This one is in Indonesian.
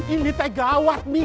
ini teh gawat mie